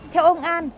theo ông an